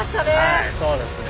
はいそうですね。